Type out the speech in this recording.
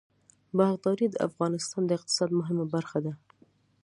باغداري د افغانستان د اقتصاد مهمه برخه ده.